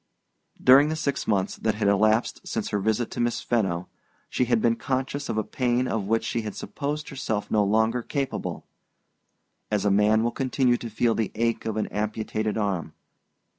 During the six months that had elapsed since her visit to Miss Fenno she had been conscious of a pain of which she had supposed herself no longer capable: as a man will continue to feel the ache of an amputated arm.